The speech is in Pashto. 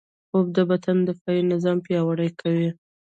خوب د بدن دفاعي نظام پیاوړی کوي